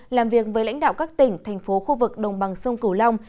làm việc với lãnh đạo các tỉnh thành phố khu vực đồng bằng sông cửu long